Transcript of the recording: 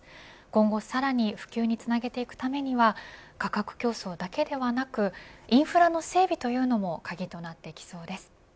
今後さらに普及につなげていくためには価格競争だけではなくインフラの整備というのも鍵となってきそうです。